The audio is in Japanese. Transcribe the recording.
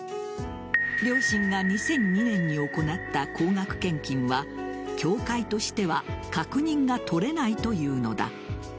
両親が２００２年に行った高額献金は教会としては確認が取れないというのだ。